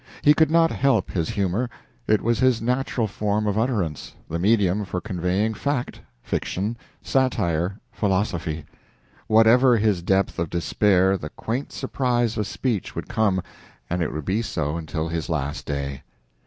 He could not help his humor; it was his natural form of utterance the medium for conveying fact, fiction, satire, philosophy. Whatever his depth of despair, the quaint surprise of speech would come, and it would be so until his last day.